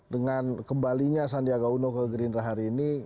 dengan kembalinya sandiaga uno ke gerindra hari ini